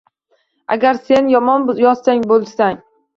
Agar sen yomon yozgan boʻlsang